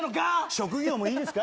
職業もいいですか？